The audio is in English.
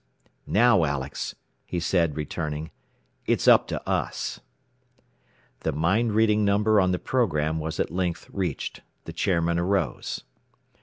"Now, Alex," he said, returning, "it's up to us." The "mind reading" number on the program was at length reached. The chairman arose.